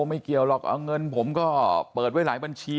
ไม่เกี่ยวหรอกเงินผมก็เปิดไว้หลายบัญชี